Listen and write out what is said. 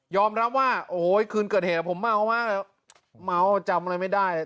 รับว่าโอ้โหคืนเกิดเหตุผมเมามากเลยเมาจำอะไรไม่ได้